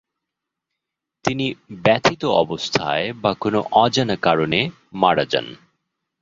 তিনি ব্যথিত অবস্থায় বা কোন অজানা কারণে মারা যান।